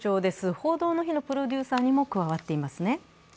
「報道の日」のプロデューサーにも加わっていますね。